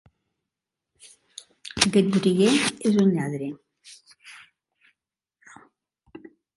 Aquest botiguer és un lladre.